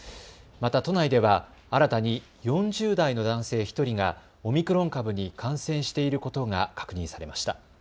また都内では新たに４０代の男性１人がオミクロン株に感染していることが確認されました。